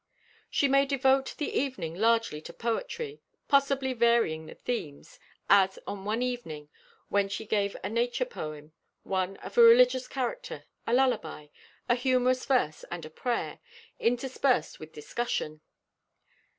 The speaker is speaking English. She may devote the evening largely to poetry, possibly varying the themes, as on one evening when she gave a nature poem, one of a religious character, a lullaby, a humorous verse and a prayer, interspersed with discussion.